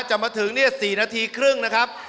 จะมาถึง๔นาทีครึ่งนะครับ